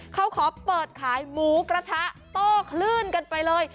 เขาขอเปิดขายหมูกระทะโต้คลื่นกันไปเลย